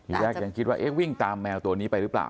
ทีแรกคิดว่าเฮซวิ่งตามแมวตัวนี้ไปรึเปล่า